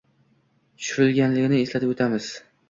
tushirilganligini eslatib o'tamiz! 👌⠀